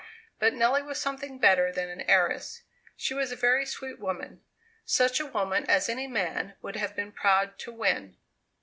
But Nelly was something better than an heiress; she was a very sweet woman; such a woman as any man would have been proud to win.